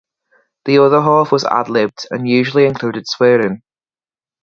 The other half was ad-libbed and usually included swearing.